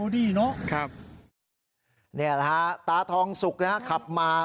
นี่แหละฮะตาทองศุกร์นะครับขับมา